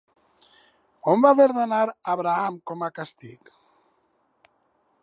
On va haver d'anar Abraham com a càstig?